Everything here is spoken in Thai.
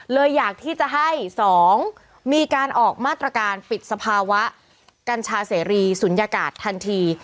อยากที่จะให้๒มีการออกมาตรการปิดสภาวะกัญชาเสรีศูนยากาศทันที